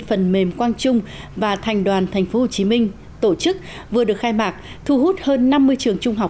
phần mềm quang trung và thành đoàn tp hcm tổ chức vừa được khai mạc thu hút hơn năm mươi trường trung học